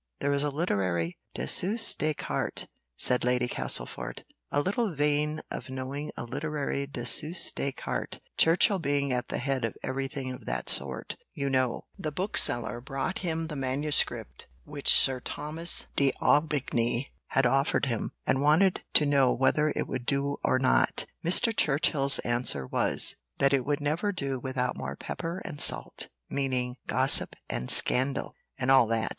'" "There is a literary dessous des cartes," said Lady Castlefort, a little vain of knowing a literary dessous des cartes; "Churchill being at the head of every thing of that sort, you know, the bookseller brought him the manuscript which Sir Thomas D'Aubigny had offered him, and wanted to know whether it would do or not. Mr. Churchill's answer was, that it would never do without more pepper and salt, meaning gossip and scandal, and all that.